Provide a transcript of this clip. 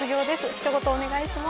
一言、お願いします。